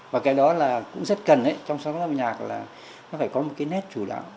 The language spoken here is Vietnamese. và cái đó là cũng rất cần trong sáng tác âm nhạc là nó phải có một cái nét chủ đạo